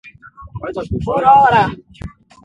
Uruará